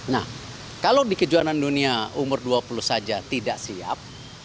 nah kalau di kejuaraan dunia umur dua puluh saja tidak siap